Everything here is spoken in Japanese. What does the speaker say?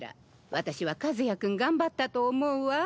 私は和也君頑張ったと思うわ。